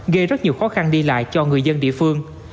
gây rất nhiều khó khăn đi lại cho người dân địa phương